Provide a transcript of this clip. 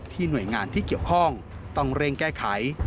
หน่วยงานที่เกี่ยวข้องต้องเร่งแก้ไข